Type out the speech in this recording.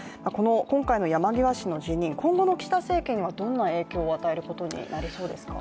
今回の山際氏の辞任、今後の岸田政権にどんな影響を与えることになりそうですか。